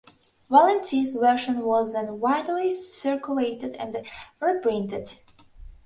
Valiente's version was then widely circulated and reprinted.